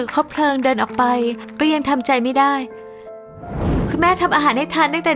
ครบเพลิงเดินออกไปก็ยังทำใจไม่ได้คุณแม่ทำอาหารให้ทานตั้งแต่